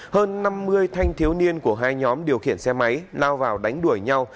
hơn năm mươi thanh thiếu niên của hai nhóm điều khiển xe máy lao vào đánh đuổi nhau